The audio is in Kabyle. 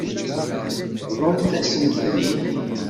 Bḍumt-asent-ten-id.